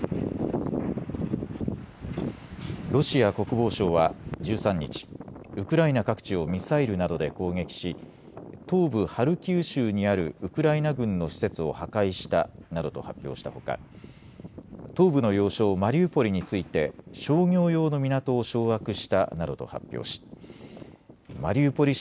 ロシア国防省は１３日、ウクライナ各地をミサイルなどで攻撃し東部ハルキウ州にあるウクライナ軍の施設を破壊したなどと発表したほか東部の要衝マリウポリについて商業用の港を掌握したなどと発表しマリウポリ